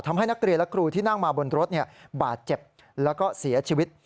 ทำให้นักเรียนและครูที่นั่งมาบนรถบาดเจ็บแล้วก็เสียชีวิต